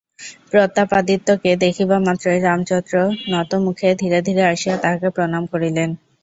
প্রতাপাদিত্যকে দেখিবামাত্রই রামচন্দ্র নতমুখে ধীরে ধীরে আসিয়া তাঁহাকে প্রণাম করিলেন।